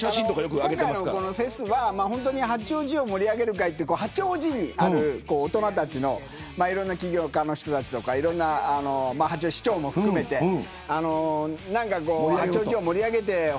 今回のフェスは八王子を盛り上げる会で八王子にある大人たちのいろんな起業家の人たちや市長も含めて八王子を盛り上げてほしいというので。